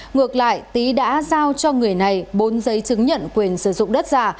ngược lại tý đã giao cho người này bốn giấy chứng nhận quyền sử dụng đất giả